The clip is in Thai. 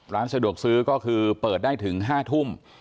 ร้านสะดวกซื้อก็คือเปิดได้ถึง๕ทุ่ม